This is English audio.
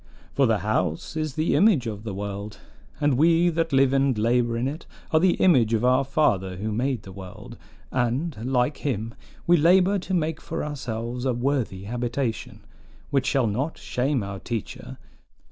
"For the house is the image of the world, and we that live and labor in it are the image of our Father who made the world; and, like him, we labor to make for ourselves a worthy habitation, which shall not shame our teacher.